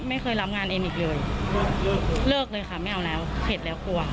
ไม่เคยรับงานเอ็นอีกเลยเลิกเลยค่ะไม่เอาแล้วเข็ดแล้วกลัว